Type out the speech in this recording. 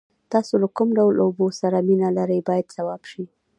تاسو له کوم ډول لوبو سره مینه لرئ باید ځواب شي.